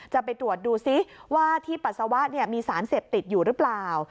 จะไปตรวจดูซิว่าที่ปัสสาวะมีสารเสพติดอยู่หรือเปล่า